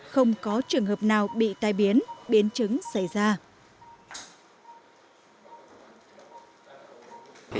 không có trường hợp nào bị tai biến biến chứng xảy ra